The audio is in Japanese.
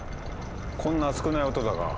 こんな少ない音だが。